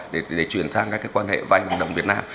để chuyển sang các quan hệ vay bằng đồng việt nam